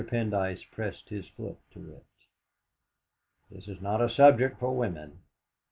Pendyce pressed his foot to it. "This is not a subject for women."